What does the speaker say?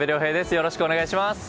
よろしくお願いします。